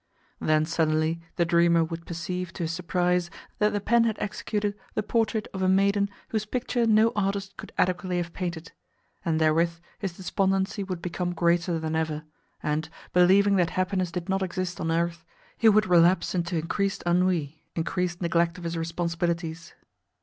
Then suddenly the dreamer would perceive, to his surprise, that the pen had executed the portrait of a maiden whose picture no artist could adequately have painted; and therewith his despondency would become greater than ever, and, believing that happiness did not exist on earth, he would relapse into increased ennui, increased neglect of his responsibilities.